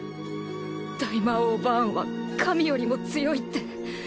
大魔王バーンは神よりも強いって。